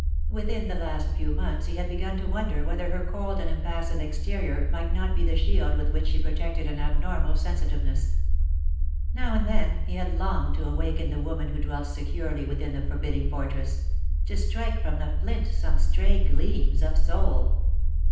Within the last few months he had begun to wonder whether her cold and impassive exterior might not be the shield with which she protected an abnormal sensitiveness. Now and then he had longed to awaken the woman who dwelt securely within the forbidding fortress to strike from the flint some stray gleams of soul.